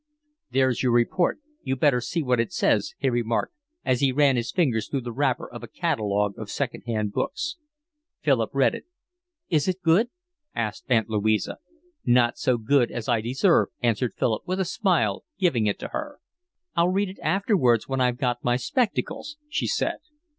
"There's your report. You'd better see what it says," he remarked, as he ran his fingers through the wrapper of a catalogue of second hand books. Philip read it. "Is it good?" asked Aunt Louisa. "Not so good as I deserve," answered Philip, with a smile, giving it to her. "I'll read it afterwards when I've got my spectacles," she said.